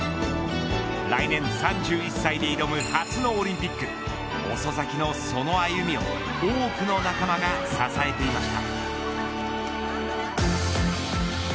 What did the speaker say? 来年３１歳で挑む初のオリンピック遅咲きのその歩みを多くの仲間が支えていました。